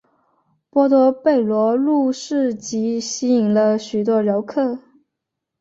波多贝罗路市集吸引了许多游客。